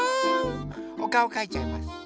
おかおかいちゃいます。